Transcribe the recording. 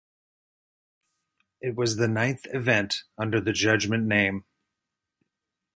It was the ninth event under the Judgement name.